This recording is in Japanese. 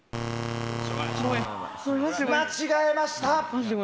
間違えました。